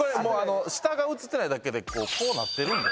下が写ってないだけでこうなってるんで。